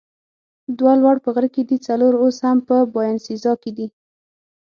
دوه لوړ په غره کې دي، څلور اوس هم په باینسیزا کې دي.